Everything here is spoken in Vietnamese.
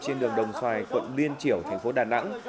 trên đường đồng xoài quận liên triểu thành phố đà nẵng